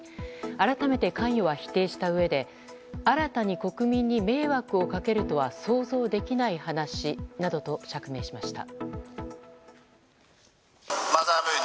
改めて関与は否定したうえで新たに国民に迷惑をかけるとは想像できない話などと釈明しました。